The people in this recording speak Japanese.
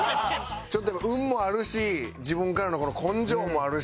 運もあるし自分からの根性もあるし。